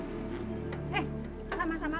eh sama sama